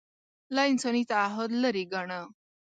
له انساني تعهد لرې ګاڼه